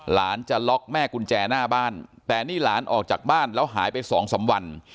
หลานจะล็อกแม่กุญแจหน้าบ้านแต่นี่หลานออกจากบ้านแล้วหายไปสองสามวัน